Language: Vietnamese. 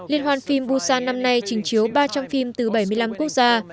liên hoan phim busan năm nay trình chiếu ba trăm linh phim từ bảy mươi năm quốc gia